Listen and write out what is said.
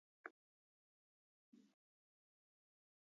Torrez finished with nine strikeouts in the complete-game win.